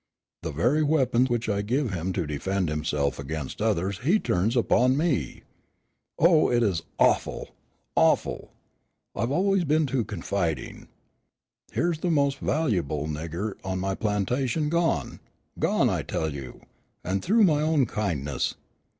The very weapon which I give him to defend himself against others he turns upon me. Oh, it's awful, awful! I've always been too confiding. Here's the most valuable nigger on my plantation gone, gone, I tell you, and through my own kindness.